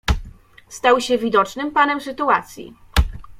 "Stał się widocznym panem sytuacji."